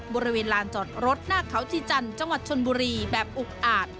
บริเวณลานจอดรถหน้าเขาชีจันทร์จังหวัดชนบุรีแบบอุกอาจ